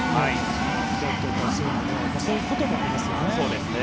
そういうこともありますよね。